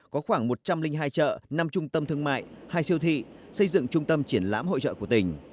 có khoảng một trăm linh hai chợ năm trung tâm thương mại hai siêu thị xây dựng trung tâm triển lãm hội trợ của tỉnh